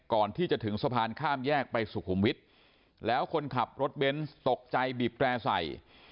ก่อนที่จะถึงสะพานข้ามแยกไปสุขุมวิทย์แล้วคนขับรถเบนส์ตกใจบีบแตร่ใส่